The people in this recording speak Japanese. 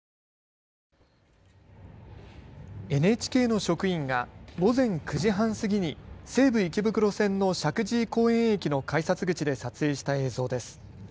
ＮＨＫの職員が午前９時半過ぎに西武池袋線の石神井公園駅の改札口で撮影した映像です。